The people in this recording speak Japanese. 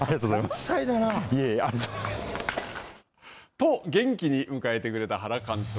と、元気に迎えてくれた原監督。